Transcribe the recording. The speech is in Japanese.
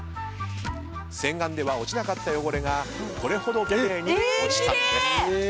洗顔では落ちなかった汚れがこれほど奇麗に落ちたんです。